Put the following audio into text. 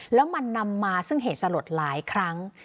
แล้วมันนำมาซึ่งเหตุสลดหลายครั้ง